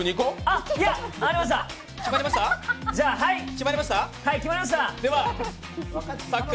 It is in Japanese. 決まりました。